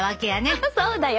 そうだよ。